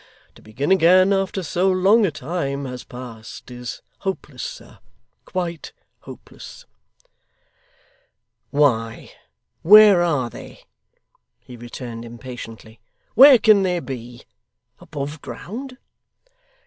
To begin again after so long a time has passed is hopeless, sir quite hopeless.' 'Why, where are they?' he returned impatiently. 'Where can they be? Above ground?